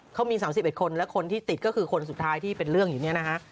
เขามี๓๑คนและคนที่ติดก็คือคนสุดท้ายที่เป็นเรื่องอยู่เนี่ยนะฮะ